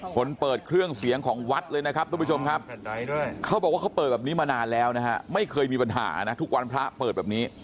เปิดเครื่องเสียงของวัดเลยนะครับทุกผู้ชมครับเขาบอกว่าเขาเปิดแบบนี้มานานแล้วนะฮะไม่เคยมีปัญหานะทุกวันพระเปิดแบบนี้